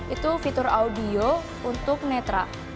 itu fitur audio untuk netra